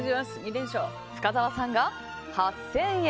深澤さんが８０００円。